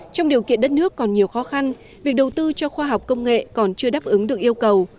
trong điều kiện đất nước còn nhiều khó khăn việc đầu tư cho khoa học công nghệ còn chưa đáp ứng được yêu cầu